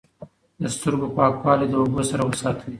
د سترګو پاکوالی د اوبو سره وساتئ.